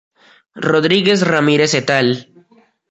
Rodríguez-Ramírez et al.